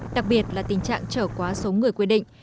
đặc biệt là tình trạng trở quá số người quy định